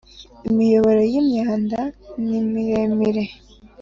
Imiyoboro y ‘imyanda nimiremire.